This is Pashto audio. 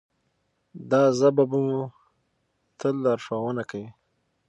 دا ژبه به مو تل لارښوونه کوي.